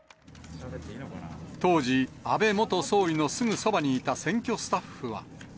当時、安倍元総理のすぐそばにいた選挙スタッフは。